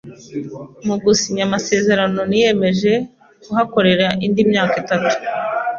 Mu gusinya amasezerano, niyemeje kuhakorera indi myaka itanu.